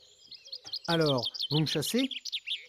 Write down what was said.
Alors, vous me chassez ?